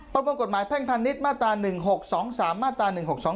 ประมวลกฎหมายแพ่งพาณิชย์มาตรา๑๖๒๓มาตรา๑๖๒